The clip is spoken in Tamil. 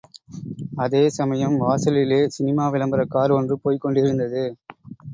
அதே சமயம், வாசலிலே சினிமா விளம்பர கார் ஒன்று போய்க் கொண்டிருந்தது.